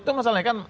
itu masalahnya kan